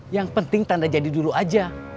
yang penting tanda jadi dulu aja